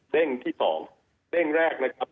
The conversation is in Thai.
เร่งที่๒เด้งแรกนะครับ